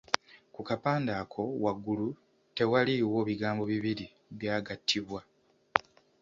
Ku kapande ako waggulu tewaaliwo bigambo bibiri byagattibwa.